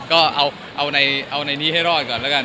ก็เอาในนี้ให้รอดก่อนแล้วกัน